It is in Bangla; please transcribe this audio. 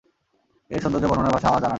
এর সৌন্দর্য বর্ণনার ভাষা আমার জানা নেই।